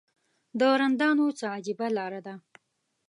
د رندانو څه عجیبه لاره ده.